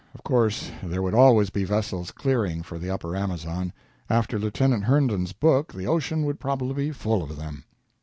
Of course there would always be vessels clearing for the upper Amazon. After Lieutenant Herndon's book the ocean would probably be full of them.